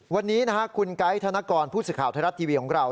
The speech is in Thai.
วันนี้คุณไกด์ธนกรผู้สื่อข่าวไทยรัฐทีวีของเรา